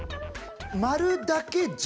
丸だけじゃ。